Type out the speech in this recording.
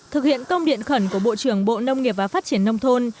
thực hiện công điện khẩn của bộ trưởng bộ nông nghiệp và phát triển nông thôn